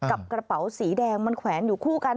กับกระเป๋าสีแดงมันแขวนอยู่คู่กัน